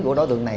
của đối tượng này